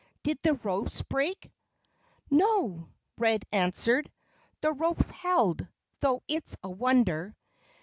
"Did the ropes break?" "No!" Red answered. "The ropes held though it's a wonder."